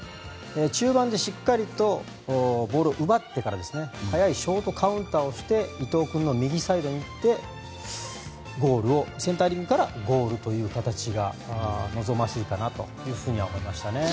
中盤でしっかりとボールを奪ってから早いショートカウンターをして伊東君が右サイドに行ってセンタリングからゴールという形が望ましいかなと思いました。